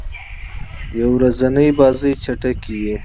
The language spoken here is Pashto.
یو ورځنۍ بازۍ چټکي يي.